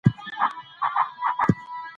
نفت د افغانستان د جغرافیوي تنوع مثال دی.